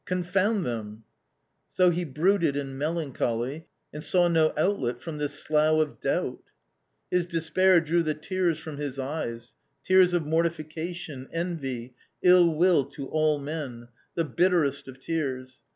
Con found them ! So he brooded in melancholy, and saw no outlet from this slough of doubt. His despair drew the tears from his eyes — 'tears of mortifi cation, envy, ill will to all men — the bitterest of tears.